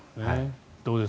どうです？